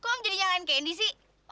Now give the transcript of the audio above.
kok om jadi nyangain candy sih